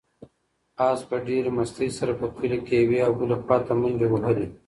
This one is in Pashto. آس په ډېرې مستۍ سره په کلي کې یوې او بلې خواته منډې وهلې.